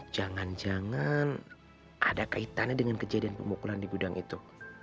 jangan jangan ada kaitannya dengan kejadian pemukulan di gudang itu